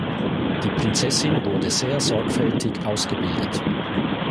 Die Prinzessin wurde sehr sorgfältig ausgebildet.